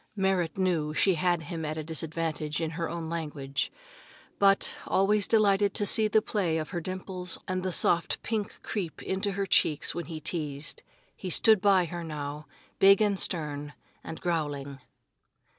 Merrit knew she had him at a disadvantage in her own language, but, always delighted to see the play of her dimples and the soft pink creep into her cheeks when he teased, he stood by her now, big and stern, and growling.